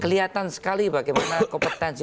kelihatan sekali bagaimana kompetensi